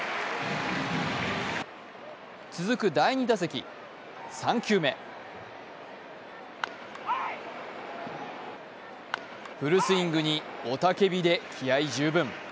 続く第２打席、３球目、フルスイングに雄たけびで気合い十分。